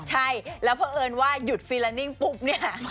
ใช่แล้วเพราะเอิญว่าหยุดฟีลานิ่งปุ๊บเนี่ย